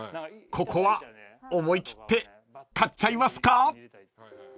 ［ここは思い切って買っちゃいますか？］